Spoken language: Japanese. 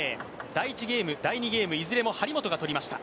第１ゲーム、第２ゲーム、いずれも張本が取りました。